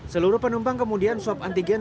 seluruh penumpang kemudian swab antigen